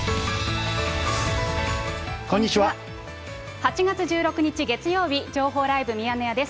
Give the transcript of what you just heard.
８月１６日月曜日、情報ライブミヤネ屋です。